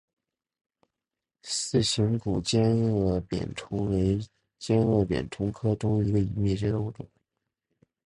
似形古尖腭扁虫为尖腭扁虫科中一个已灭绝的物种。